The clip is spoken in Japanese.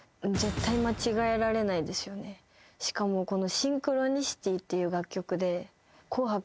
しかもこの。